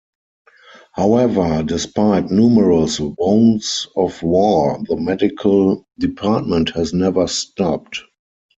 However, despite numerous wounds of war, the medical department has never stopped.